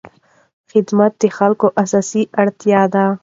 خدمت د خلکو اساسي اړتیا ده.